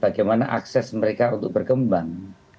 bagaimana akses mereka untuk berkembang